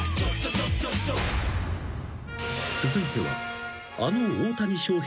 ［続いては］